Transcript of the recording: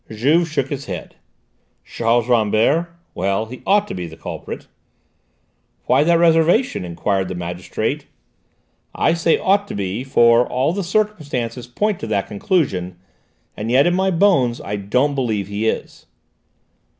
Juve shook his head. "Charles Rambert? Well, he ought to be the culprit." "Why that reservation?" enquired the magistrate. "I say 'ought to be,' for all the circumstances point to that conclusion, and yet in my bones I don't believe he is."